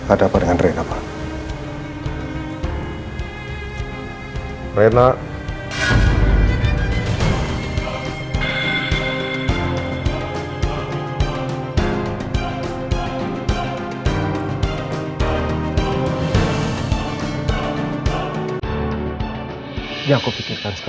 ada apa dengan rena pak